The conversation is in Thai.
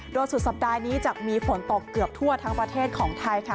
โดยสุดสัปดาห์นี้จะมีฝนตกเกือบทั่วทั้งประเทศของไทยค่ะ